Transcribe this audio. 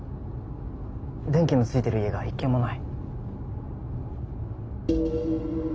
電気のついてる家が一軒もない。